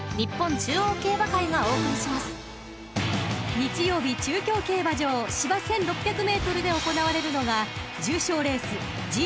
［日曜日中京競馬場芝１，６００ｍで行われるのが重賞レースＧⅢ